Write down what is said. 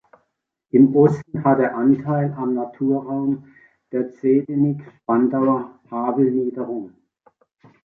Im Osten hat er Anteil am Naturraum der Zehdenick-Spandauer Havelniederung.